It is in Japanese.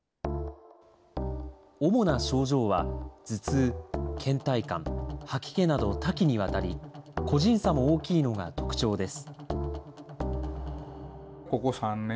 主な症状は頭痛、けん怠感、吐き気など多岐にわたり、個人差も大きいのが特徴です。